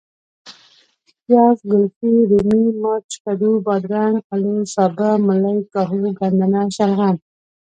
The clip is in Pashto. پیاز ،ګلفي ،رومي ،مرچ ،کدو ،بادرنګ ،الو ،سابه ،ملۍ ،کاهو ،ګندنه ،شلغم